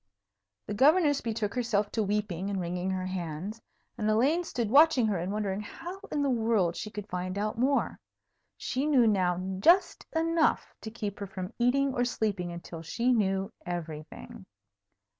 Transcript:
The Governess betook herself to weeping and wringing her hands, and Elaine stood watching her and wondering how in the world she could find out more. She knew now just enough to keep her from eating or sleeping until she knew everything.